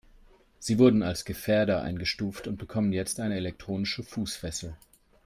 Sie wurden als Gefährder eingestuft und bekommen jetzt eine elektronische Fußfessel.